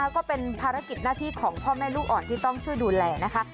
ก็เป็นภารกิจหน้าที่ของพ่อแม่ลูกอ่อนที่ต้องช่วยดูแลนะคะ